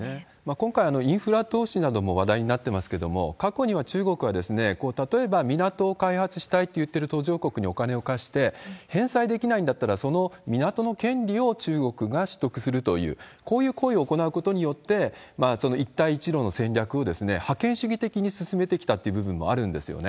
今回、インフラ投資なども話題になってますけれども、過去には中国は、例えば港を開発したいと言っている途上国にお金を貸して、返済できないんだったら、その港の権利を中国が取得するという、こういう行為を行うことによって、一帯一路の戦略を覇権主義的に進めてきたっていう部分もあるんですよね。